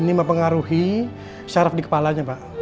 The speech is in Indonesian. ini mempengaruhi syaraf di kepalanya pak